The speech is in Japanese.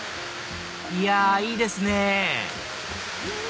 いやいいですね！